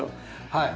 はい。